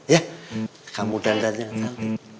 ya kamu dandan dandan